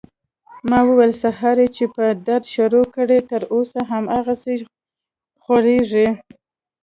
ما وويل سهار يې چې په درد شروع کړى تر اوسه هماغسې خوږېږي.